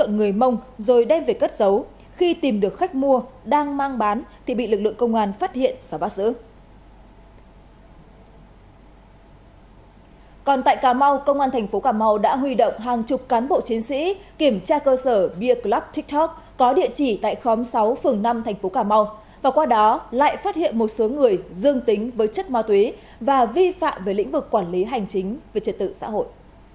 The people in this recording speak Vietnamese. còn tại cà mau công an tp cà mau đã huy động hàng chục cán bộ chiến sĩ kiểm tra cơ sở beer club tiktok có địa chỉ tại khóm sáu phường năm tp cà mau và qua đó lại phát hiện một số người dương tính với chất ma túy và vi phạm về lĩnh vực quản lý hành chính về trật tự xã hội